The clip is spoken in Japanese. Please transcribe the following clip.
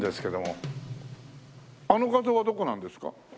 あの画像はどこなんですか？